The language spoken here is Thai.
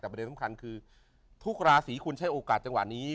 แต่ประเด็นสำคัญคือทุกราศีคุณใช้โอกาสจังหวะนี้